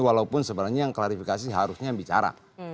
walaupun sebenarnya yang klarifikasi harusnya yang bicara